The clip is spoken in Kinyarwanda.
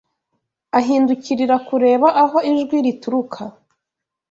Ahindukirira kureba aho ijwi ruturuka,